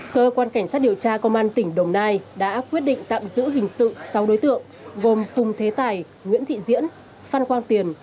cơ quan cảnh sát điều tra công an tỉnh đồng nai đã quyết định tạm giữ hình sự sáu đối tượng gồm phùng thế tài nguyễn thị diễn phan quang tiền